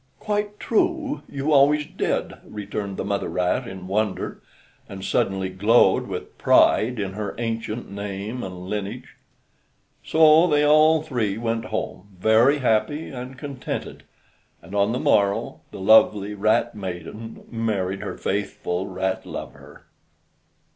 "Quite true! you always did," returned the mother rat in wonder, and suddenly glowed with pride in her ancient name and lineage. So they all three went home, very happy and contented, and on the morrow the lovely rat maiden married her faithful rat lover.